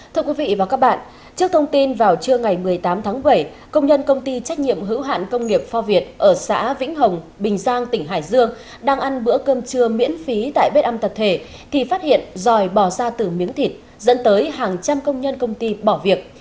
thưa quý vị và các bạn trước thông tin vào trưa ngày một mươi tám tháng bảy công nhân công ty trách nhiệm hữu hạn công nghiệp pho việt ở xã vĩnh hồng bình giang tỉnh hải dương đang ăn bữa cơm trưa miễn phí tại bếp ăn tập thể thì phát hiện dòi bỏ ra từ miếng thịt dẫn tới hàng trăm công nhân công ty bỏ việc